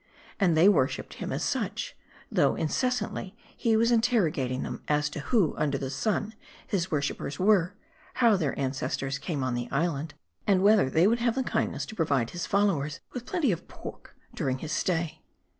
And they worshiped him as such, though incessantly he was interrogating them, as to who under the sun his worshipers were ; how their ancestors came on the island ; and whether they would have the kindness to provide his followers with plenty of pork during his stay.